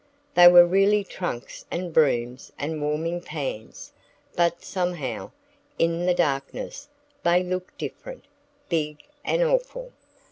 They were really trunks and brooms and warming pans, but somehow, in the darkness, they looked different big and awful.